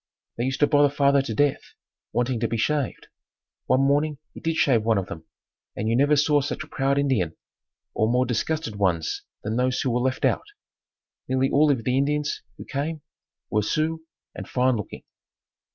They used to bother father to death wanting to be shaved. One morning he did shave one of them and you never saw such a proud Indian, or more disgusted ones than those who were left out. Nearly all of the Indians who came were Sioux and fine looking.